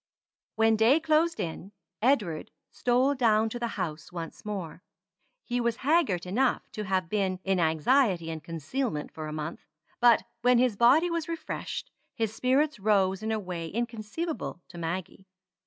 When day closed in, Edward stole down to the house once more. He was haggard enough to have been in anxiety and concealment for a month. But when his body was refreshed, his spirits rose in a way inconceivable to Maggie.